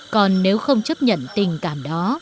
còn nếu không chấp nhận tình cảm đó